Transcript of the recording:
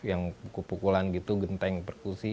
yang kupukulan gitu genteng perkusi